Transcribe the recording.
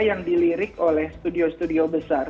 yang dilirik oleh studio studio besar